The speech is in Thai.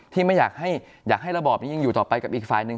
ไม่อยากให้ระบอบนี้ยังอยู่ต่อไปกับอีกฝ่ายหนึ่ง